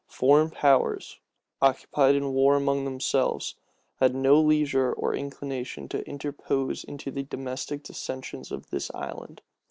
Foreign powers, occupied in wars among themselves, had no leisure or inclination to interpose in the domestic dissensions of this island.